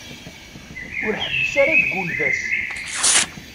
Ur ḥebbes ara seg ulbas.